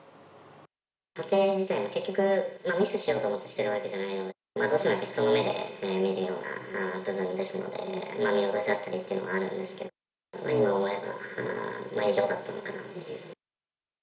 査定自体も、結局、ミスしようと思ってしてるわけじゃないので、どうしてもやっぱ人の目で見るような部分ですので、見落としだったりとかあるんですけど、今思えば異常だったのかなっていう。